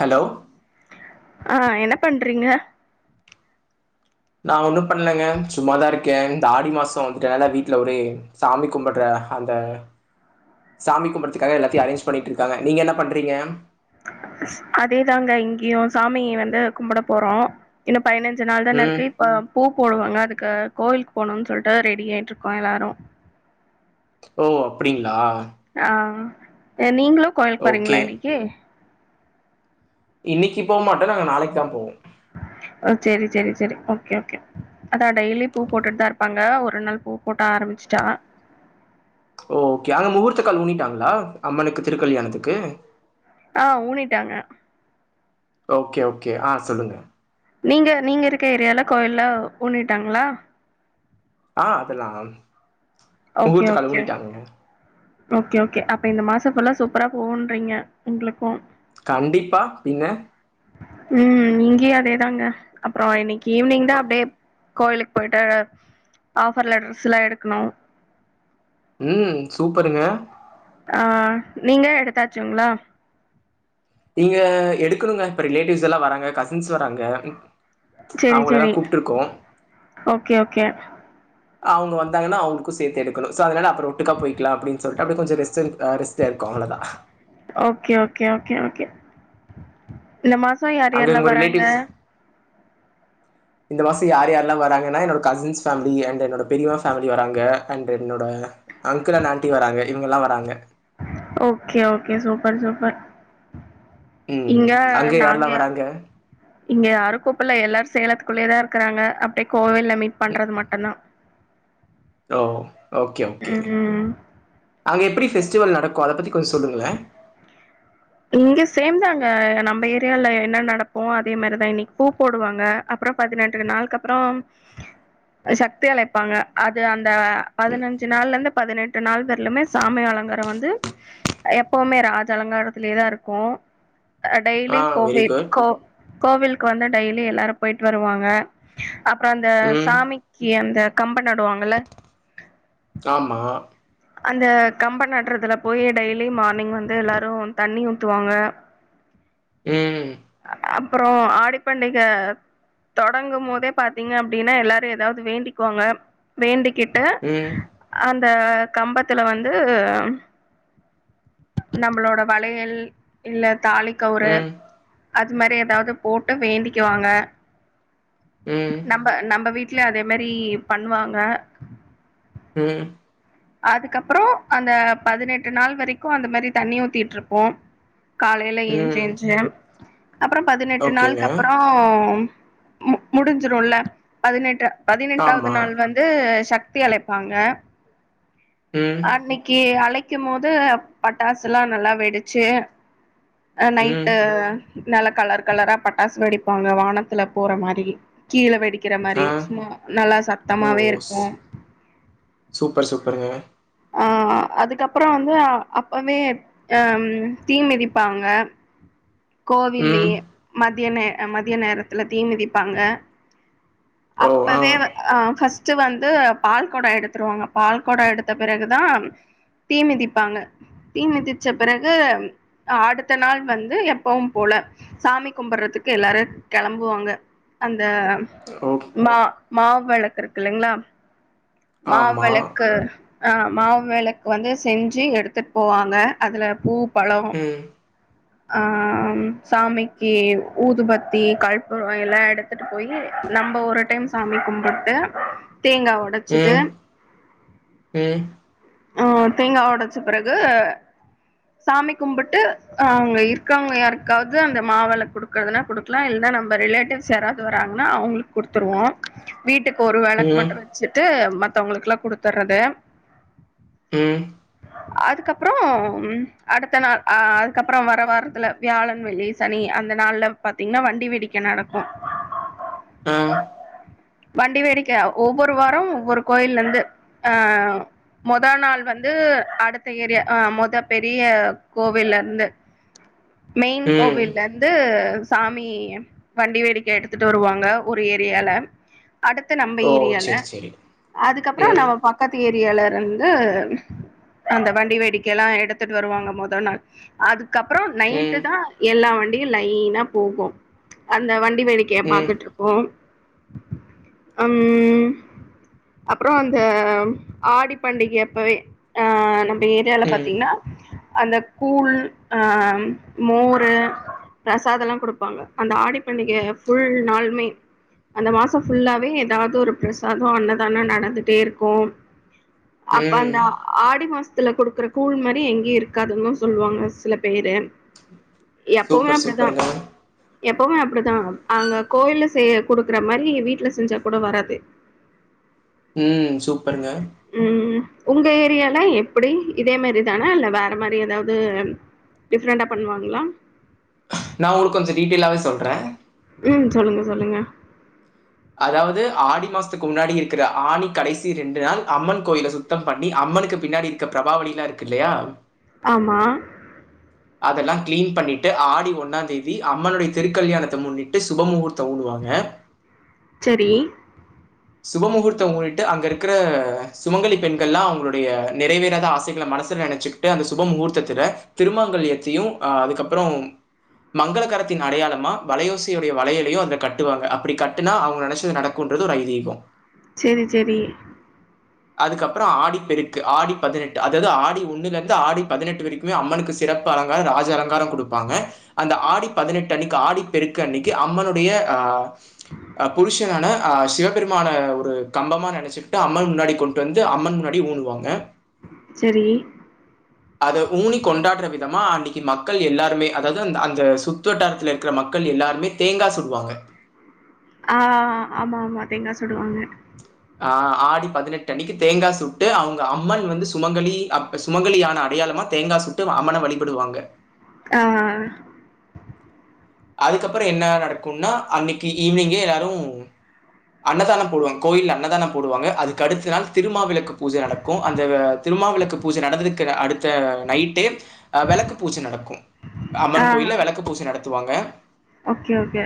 Hello ஆ என்ன பண்றீங்க நா ஒன்னு பண்ணலங்க சும்மாத இருக்கே இந்த ஆடி மாசோ வந்துட்ட நால வீட்ல ஒரே சாமி கும்பட்ற அந்த சாமி கும்பறதுக்காக எல்லாத்தையு அரேஞ் பண்ணிட்ருக்காங்க நீங்க என்ன பண்றீங்க அதே தாங்க இங்கேயு சாமிய வந்து கும்முட போறோ இன்னு பதினஞ்சு நாள் தானே ம். இருக்கு இப்ப பூ போடுவாங்க அதுக்கு கோவிலுக்கு போனும்ன்னு சொல்லிட்டு ரெடி ஆயிட்டு இருக்கோ எல்லாரு ஓ அப்டிங்களா ஆ நீங்களு கோயிலுக்கு ஓகே. போறிங்கள இன்னிக்கி இன்னிக்கி போ மாட்டோ நாங்க நாளைக்கு தா போவோ ஓ செரி செரி செரி ஓகே ஓகே அதா டெய்லி பூ போட்டுட்டு தா இருப்பாங்க ஒரு நாள் பூ போட்ட ஆரம்பிச்சிட்டா ஓ ஓகே அங்க முகூர்த்தக்கால் ஊனிட்டாங்களா அம்மனுக்கு திருக்கல்யாணத்துக்கு ஆ ஊனிட்டாங்க ஓகே ஓகே ஆ சொல்லுங்க நீங்க நீங்க இருக்க ஏரியால கோயில ஊனிட்டாங்கள ஆ அதெல்லா ஓகே முகூர்த்தகால் ஓகே ஊனிட்டாங்கங்க ஓகே ஓகே அப்ப இந்த மாசோ ஃபுல்லா சூப்பரா போகுன்றீங்க உங்ளுக்கு கண்டிப்பா பின்ன ம் இங்கயு அதேதாங்க அப்றோ இன்னைக் ஈவ்னிங் தா அப்டியே கோயிலுக் போய்ட்டு ஆஃபர்ல ட்ரஸ்ல்லா எடுக்கணு ம் சூப்பருங்க ஆ நீங்க எடுத்தாச்சுங்ளா லீங்க எடுக்கணுங்க இப்ப ரிலேட்டிவ்ஸ் எல்லா வராங்க கசின்ஸ் வராங்க செரி அவுங்கள எல்லா செரி கூப்ட்ருக்கோ ஓகே ஓகே அவுங்க வந்தாங்கனா அவுங்ளுக்கு சேத்தெடுக்கணு சோ அதுனால அப்றோ ஒட்டுக்கா போய்க்கலா அப்டின் சொல்ட்டு அப்டியே கொஞ்ச ரெஸ்ட் எடுத் அ ரெஸ்ட் லர்க்கோ அவ்ள தா ஓகே ஓகே ஓகே ஓகே இந்த மாசோ யா அங்க உங்க ரிலேட்டிவ்ஸ் இந்த மாசோ யார் யார்லா வராங்கனா என்னோட கசின்ஸ் ஃபேமிலி அண்ட் என்னோட பெரியம்மா ஃபேமிலி வராங்க அண்ட் என்னோட அங்கிள் அண்ட் ஆண்ட்டி வராங்க இவுங்கெல்லா வராங்க ஓகே ஓகே சூப்பர் சூப்பர் ம். இங்க அங்க நாங்க யாரெல்லாம் வராங்க? இங்க யாரு கூப்பல்ல எல்லாரு சேலத்துக்குள்ளயே தா இருக்கறாங்க அப்டே கோவில்ல மீட் பண்றது மட்டுந்தா ஓ ஓகே ஓகே ம் அங்க எப்டி ஃபெஸ்டிவல் நடக்கு அத பத்தி கொஞ் சொல்லுங்களே இங்க சேம்தாங்க நம்ப ஏரியால என்ன நடக்குமோ அதே மாரிதா இன்னிக் பூ போடுவாங்க அப்பறோ பதினெட்டு நாள்க்கப்றோ சக்தி அழைப்பாங்க அது அந்த பதனஞ்சு நாள்லர்ந்து பதினெட் டு நாள் வர்லுமே சாமி அலங்காரோ வந்து எப்பவுமே ராஜ அலங்காரத் துலே தா இருக்கு அ ஆ டெய்லி வெரி கோவிட் குட். கோ கோவில்க் வந்து டெய்லி எல்லாரு போய்ட் வருவாங்க அப்றோ அந்த ம். சாமி க்கி அந்த கம்ப நடுவாங்கல்ல ஆமா அந்த கம்ப நட்றதுல போயி டெய்லி மார்னிங் வந்து எல்லாரு தண்ணி ஊத்துவாங்க ஏ அப்றோ ஆடி பண்டிக தொடங்கு மோதே பாத்தீங்க அப்டினா எல்லாரு எதாவ்து வேண்டிக்வாங்க வேண்டிக்கிட்டு ம் அந்த கம்பத்துல வந்து நம்ப்ளோட வளையல் இல்ல தாலிக் கவுரு ம். அது மாரி எதாவ்து போட்டு வேண்டிக்குவாங்க ம் நம்ப நம்ப வீட்லயு அதே மாரி பண்ணுவாங்க ம் அதுக்கப்றோ அந்த பதினெட்டு நாள் வரைக்கு அந்த மாரி தண்ணி ஊத்திட்ருப்போ காலைல எந்ச்சு ம். எந்ச்சு அப்றோ பதினெட்டு ஓகேங்க. நாள்க்கப்பறோ மு முடிஞ்சிருல்ல பதினெட்டு பதினெட்டாவ்து ஆமா. நாள் வந்து சக்தி அழைப்பாங்க ம் அன்னைக்கி அழைக்குமோது பட்டாசுல்லா நல்லா வெடிச்சு அ ம். நைட்டு நல்ல கலர் கலரா பட்டாஸ் வெடிப்பாங்க வானத்துல போற மாரி கீழே வெடிக்கிற ஆ. மாரி சும்ம நல்லா ஓ! சத்தமாவே ஸ் இருக்கூ சூப்பர் சூப்பருங்க அ அதுக்கப்பறொ வந்து அப்பவே அம் தீ மிதிப்பாங்க ம். கோவில்லயே மதிய நே மதிய நேரத்துல தீ மிதிப்பாங்க ஓ! ஆ. அப்பவே வ அ ஃபர்ஸ்ட்டு வந்து பால் கொடொ எடுத்துருவாங்க பால் கொடொ எடுத்த பிறகுதா தீ மிதிப்பாங்க தீ மிதிச்ச பிறகு அடுத்த நாள் வந்து எப் ப்பவும்போல சாமி கும்பட்றதுக்கு எல்லாரு கெளம்புவாங்க அந்த ஓக் மா மாவெளக்குருக்இல்லிங்ளா ஆமா. மாவெளக்கு ஆ மாவாவெளக் வந்து செஞ்சு எடுத்துட் போவாங்க அதுல பூ பழம் ம். அ சாமிக்கு ஊதுபத்தி கல்பூரொ எல்லா எடுத் துட்டு போயு நம்ப ஒரு டைம் சாமி கும்புட்டு தேங்கா ஒட சுட்டு ம். ம். அ தேங்கா ஒடச்ச பிறகு சாமி கும்பிட்டு அவுங்க இருக்கவங்க யாருக் க்காவ்து அந்த மாவெளக் குடுக்கற்துனா குடுக்லா இல்னா நம்ப ரிலேட்டிவ்ஸ் யாராவ்து வராங்ன்னா அவுங்களுக் குடுத்துர்வோ வீட்டுக் ஒரு வெளக் ம். மட்டு வெச்சுட்டு மத்தவங்களுக்குலா குடுத்துர்றது ம் அதுக்கப்றொ ம் அடுத்தநாள் அ அதுக்கப்ற வர வாரத்துல வியாழன் வெள்ளி சனி அந்த நாள்ல பாத்தீங்ன்னா வண்டி வேடிக்க நடக்கு ஆ. வண்டி வேடிக்க ஒவ்வொரு வாரொ ஒவ்வொரு கோயில்லெந்து ஆ மொத நாள் வந்து அடுத்தஏரியா ஆ மொத பெரிய கோவில்லர்ந்து மெயின் ம். கோவில் லந்து சாமி வண்டி வேடிக்க எடுத்துட்டு வருவாங்க ஒரு ஏரியால அடுத்து நம்ப ஓ! ஏரியால சரி, சரி. அதுக்கப்ற ம். நம்ம பக் கத்து ஏரியாலருந்து அந்த வண்டி வேடிக்கையல்லா எடுத்துட் வருவாங்க மொதநாள் அதுக்கப்பற நைட் ம். டா எல்லா வண்டியு லைனா போகூ அந்த வண்டி வேடிக்கய ம். பாத்துட்டு போம் அம் அப்ற அந்த ஆடி பண்டிகை அப்பவே அ நம் ப ஏரியால்ல ம். பாத்தீங்ன்னா அந்த கூழ் அ மோரு பிரசாதொல்லா குடுப்பாங்க அந்த ஆடிபண்டிக ஃபுல் நாள்மே அந்த மாசொ ஃபுல்லாவே ஏதாவ்து ஒரு பிரசாதொ அன்னதானொ நடந்துட்டேர்க்கூ அப்ப ம். அந்த ஆடி மாஸ்த்துல குடுக்குற கூழ்மாரி எங்கியு இருக்காதுன்னு சொல்வாங்க சில பேரு எப்பவுமே சூப்பர், அப்டிதா சூப்பருங்க. எப்பவுமே அப்டிதா அங்க கோயில்ல செய்ய குடுக்குற மாரி வீட்ல செஞ்சா கூட வராது ம் சூப்பருங்க ம் உங்க ஏரியால்ல எப்புடி இதே மாரிதானா இல்ல வேற மாரி எதாவ்து டிஃப்ரண்டா பண்வாங்ளா நா ஒருக்கொஞ்சொ டீட்டெய்லாவே சொல்றே ம் சொல்லுங்க சொல்லுங்க அதாவ்து ஆடி மாசத்துக்கு முன்னாடி இருக்குற ஆணி கடைசி ரெண்டு நாள் அம்மன் கோயில சுத் த்தம் பண்ணி அம்மனுக்கு பின்னாடி இருக்க பிரபாவலிலா இருக்கு இல்லையா ஆமா அதெல்லா கிளீன் பண்ணிட்டு ஆடி ஒண்ணாந்தேதி அம்மனுடைய திருக்கல்யாணத்த முன்னிட்டு சுபமுகூர்த்தோ ஊனுவாங்க செரி சுபமுகூர்த்தோ ஊனிட்டு அங்க இருக்கற சுமங்கலி பெண்கள்லா அவங்களுடைய நிறைவேறாத ஆசைகள மனசுல நெனச்சுக் ட்டு அந்த சுபமுகூர்த்தத்துல திருமாங்கல்யத்தையு ஆ அதுக்கப்புறோ மங்களகரத்தின் அடையாளமா வளையோசையுடைய வளையலையு அதுல கட்டுவாங்க அப்டி கட்டுனா அவங்க நெனச்சது நடக் குன்றது ஒரு ஐதீகோ செரி செரி அதுக்கப்புறோ ஆடி பெருக்கு ஆடி பதினெட்டு அதாது ஆடி ஒன்னுலருந்து ஆடி பதினெட்டு வரைக் குமே அம்மனுக்கு சிறப்பு அலங்காரோ ராஜ அலங்காரோ குடுப்பாங்க அந்த ஆடி பதினெட்டு அன்னக்கி ஆடி பெருக்கு அன்னக்கி அம்மனுடைய ஆ அ புருஷனான ஆ சிவபெருமான ஒரு கம்பமா நெனச்சுக்ட்டு அம்மன் முன்னாடி கொண்ட்டு வந்து அம்மன் முன்னாடி ஊனுவாங்க செரி அத ஊனி கொண்டாடற விதமா அன்னக்கி மக்கள் எல்லாருமே அதாவது அந் அந்த சுத் து வட்டாரத்தில இருக்கற மக்கள் எல்லாருமே தேங்கா சுடுவாங்க ஆ ஆமா ஆமா தேங்கா சுடுவாங்க ஆ ஆடி பதினெட்டு அன்னக்கி தேங்கா சுட்டு அவங்க அம்மன் வந்து சுமங்கலி அப் சுமங்கலியான அடையாளமா தேங்கா சுட்டு அ அம்மன வழிபடுவாங்க ஆ அதுக்கப்புறோ என்ன நடக்குன்னா அன்னைக்கி ஈவினிங்கே எல்லாரு அன்னதானோ போடுவாங்க கோயில்ல அன்னதானோ போடுவாங்க அதுக்கடுத்த நாள் திருமாவிளக்கு பூஜ நட க்கு அந்த திருமாவிளக்கு பூஜ நடந்ததுக்கு அடுத்த நைட்டே அ வெளக்கு பூஜ நடக்கு ஆ. அம்மன் கோயில்ல வெளக்கு பூஜ நடத்துவாங்க ஓகே ஓகே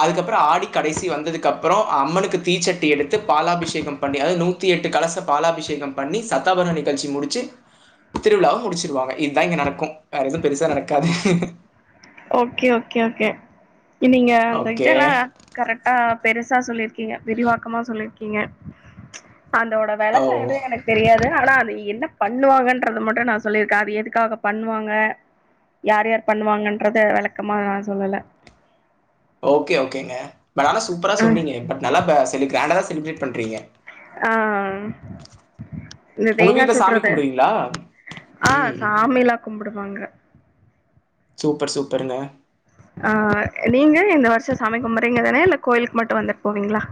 அதுக்கப்புறோ ஆடி கடைசி வந்ததுக்கு அப்புறோ அம்மனுக்கு தீச்சட்டி எடுத்து பாலாபிஷேகம் பண்ணி அதாவது நூத்தி எட்டு கலச பாலாபிஷேகம் பண்ணி சத்தாபர நிகழ்ச்சி முடிச்சி திருவிழாவ முடிச்சிருவாங்க இதா இங்க நடக்கு வேற எதுவு பெருசா நடக்காது ஓகே ஓகே ஓகே இ நீங்க அந்த ஓகே இதல்லா கரெக்டா பெருசா சொல்லிருக்கீங்க விரிவாக்கமா சொல்லிருக்கீங்க அதோட வெளக்கோ ஓ எது எனக் தெரியாது ஆனா அது என்ன பண்ணுவாங்கன்றத மட்டு நா சொல்லிருக்க அது எதுக்காக பண்ணுவாங்க யார் யார் பண்ணுவாங்கன்றத வெளக்கமா நா சொல்லல ஓகே ஓகேங்க பட் ஆனா சூப்பரா ம் சொன்னீங்க பட் நல்லா ப செலி கிராண்டாதா செலிப்ரேட் பண்றீங்க ஆ இந்த உங்க தேங்கா வீட்ல சாமி சுட்றது கும்பிடுவீங்களா? ஆ ம். சாமிலா கும்பிடுவாங்க சூப்பர் சூப்பருங்க ஆ நீங்க இந்த வர்ஷோ சாமி கும்பட்றீங்கதானே இல்ல கோயிலுக்கு மட்டு வந்துட் போவீங்களா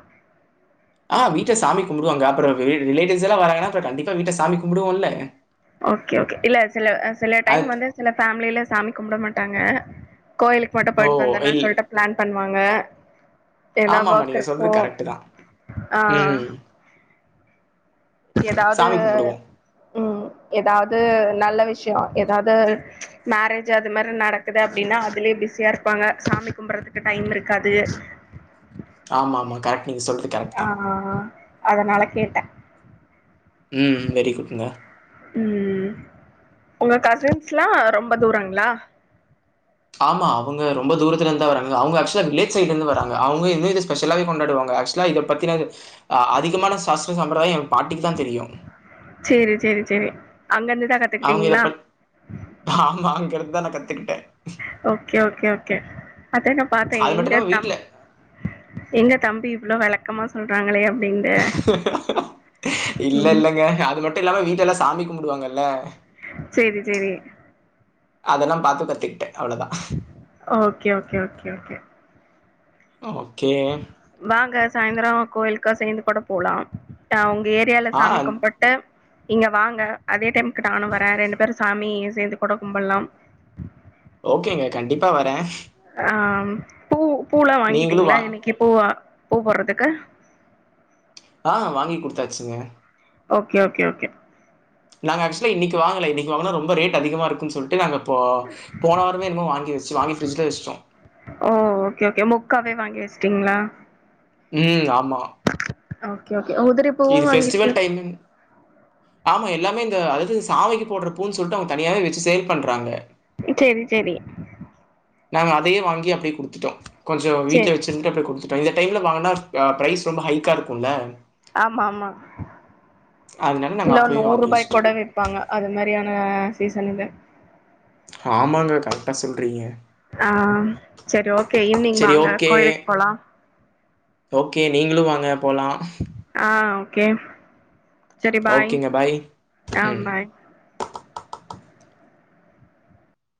ஆ வீட்ல சாமி கும்புடுவாங்க அப்றோ வீ ரிலேட்டிவ்ஸ் எல்லா வராங்கனா அப்புற கண்டிப்பா வீட்ல சாமி கும்புடுவோல்ல ஓகே ஓகே இல்ல சில ஆ சில டைம் அத் வந்து சில ஃபேமிலில சாமி கும்பிட மாட்டாங்க கோயிலுக்கு மட்டு ஓ! போய்ட்டு வந்தர்லான்னு இல் சொல்ட்டு பிளான் பண்ணுவாங்க ஏன்னா ஆமாமா. வொர்க் நீங்க சொல்றது இருக்கு கரெக்ட் தான். ஆ ம். எதாவ்து சாமி கும்பிடுவோம். ம் எதாவ்து நல்ல விஷயோ எதாவ்து மேரேஜ் அது மாரி நடக்குது அப்டின்னா அதுலயே பிஸியா இருப்பாங்க சாமி கும்புடறதுக்கு டைம் இருக்காது ஆமாமா கரெக்ட் நீங் சொல்றது கரெக்ட் ஆ தான். ஆ அதனால கேட்டே ம் ம் வெரி குட்ங்க ம் ம் உங்க கசின்ஸ்ல்லா ரொம்பே தூரங்ளா ஆமா அவங்க ரொம்பே துரத்துலருந்துதா வராங்க அவுங்க அக்சுவலா வில்லேஜ் சைட்லேருந்து வராங்க அவுங்க வில்லேஜஸ் ஸ்பெஷலாவே கொண்டாடுவாங்கே ஆக்சு வலா இதே பத்தின அ அதிகமான சாஸ்திர சம்பிரதாயோ எங்க பாட்டிக்கிதா தெரியு செரி செரி செரி அங்கேருந்துதா அவங்க இத கத்துக்கிட்டீங்களா பத் ஆமா அங்கேருந்துதா நா கத்துக்கிட்டே ஓகே ஓகே ஓகே அதன்ன பாத்தே அது மட்டும் எங்க இல்லாம தம் வீட்ல எங்க தம்பி இவ்ளோ வெளக் கமா சொல்றாங்களே அப்படின்ட்டு ம் இல்லல்லங்க அது மட்டு இல்லாம வீட்ல எல்லா சாமி கும்புடுவாங்கல்ல சேரி சேரி அதெல்லா பாத்து கத்துக்கிட்டே அவ்ளோதா okay okay okay okay okay வாங்க சாய்ந்தரோ கோயிலுக்கா சேர்ந்து கூட போலா அ ஒங்க ஏரியால ஆ சாமிக்கும்புட் டு இங்க வாங்க அதே டைமுக்கு நானு வரே ரெண்டு பேரு சாமி சேர்ந்து கூட கும்பல்லாம் ஓகேங்க கண்டிப்பா வரே ஆ ம் பூ பூல்லா நீங்களும் வாங்கிட்டீங்களா வா இன்னைக்கி பூ ஆ பூ போட்றதுக்கு ஆ வாங்கி குடுத்தாச்சுங்க ஓகே ஓகே ஓகே நாங்க ஆக்சுவலா இன்னைக்கி வாங்கல இன்னைக்கி வாங்கன்னா ரொம்ப ரேட் அதிகமாருக்குன்னு சொல்ட்டு நாங்க இப்போ போன வாரமே என்னமோ வாங்கி வச்சு வாங்கி பிரிட்ஜில வச்சிட்டோ ஓ ஓகே ஓகே முக்காவே வாங்கி வச்சுட்டீங்களா ம் ஆமா ஓகே ஓகே உதிரிப் இது ஃபெஸ்டிவல் டைமின் ஆமா எல்லாமே இந்த அதாவது சாமைக்கி போடுற பூவுன்னு சொல்ட்டு அவங்க தனியாவே வெச்சு சேல் பண்றாங்க செரி செரி நாங்க அதையே வாங்கி அப்டியே குடுத்துட்டோ கொஞ்சோ சேரி வீட்ல வச்சு சேர்ன்ட்டு அப்டி குடுத்துட்டோ இந்த டைம்ல வாங்குனா ஆ ப்ரைஸ் ரொம்ப ஹைக்கா இருக்குல்ல ஆமாமா அதனால நாங்க கிலோ அப்பவே நூறு வாங்கி ரூபாய்க் வச்சுட்டோம். கூட விப் பாங்க அது மாதிரியான சீசன் இது ஆமாங்க கரெக்டா சொல்றீங்க ஆ செரி ஓகே ஈவினிங் சரி வாங்க ஓகே. கோயிலுக்கு போலா ஓகே நீங்களு வாங்க போலா ஆ ஓகே செரி பாய் ஆ ம். பாய்